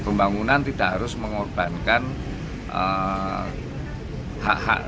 pembangunan tidak harus mengorbankan hak hak